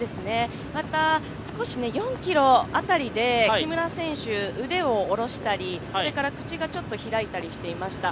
また少し４ｋｍ辺りで木村選手腕をおろしたり、口がちょっと開いたりしていました。